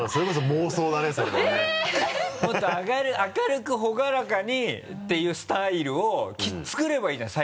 もっと明るく朗らかにっていうスタイルを作ればいいじゃない。